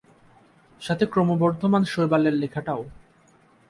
সাথে ক্রমবর্ধমান শৈবালের লেখাটাও।